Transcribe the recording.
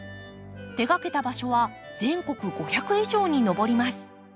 手がけた場所は全国５００以上に上ります。